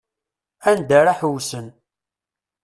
Anda ara ḥewsen.